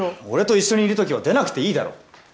俺と一緒にいるときは出なくていいだろ。